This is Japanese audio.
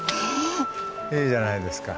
いいじゃないですか。